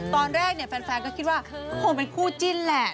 ตอนแรกเนี่ยแฟนก็คิดว่าคงเป็นคู่จิ้นแหละ